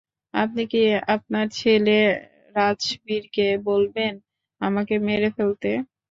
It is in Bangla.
আপনি কি আপনার ছেলে, রাজবীরকে বলবেন আমাকে মেরে ফেলতে?